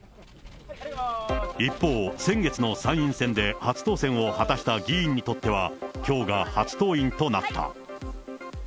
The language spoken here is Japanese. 一方、先月の参院選で初当選を果たした議員にとっては、きょうが初登院となった。